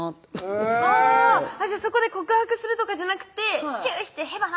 へぇそこで告白するとかじゃなくてチューして「へばな」